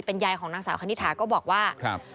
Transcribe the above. ยายของนางสาวคณิตถาก็บอกว่า